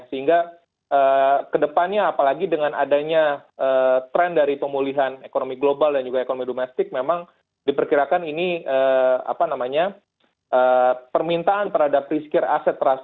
sehingga ke depannya apalagi dengan adanya trend dari pemulihan ekonomi global dan juga ekonomi domestik memang diperkirakan ini apa namanya permintaan terhadap riskier aset tersebut